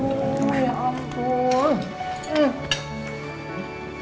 aduh ya ampun